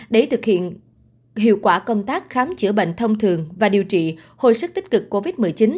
để thực hiện hiệu quả công tác khám chữa bệnh thông thường và điều trị hồi sức tích cực covid một mươi chín